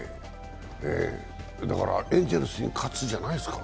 エンゼルスに喝じゃないですか？